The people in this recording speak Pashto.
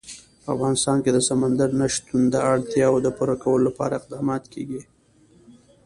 په افغانستان کې د سمندر نه شتون د اړتیاوو پوره کولو لپاره اقدامات کېږي.